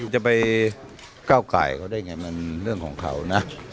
จะไปก้าวไก่เขาได้ไงมันเรื่องของเขานะ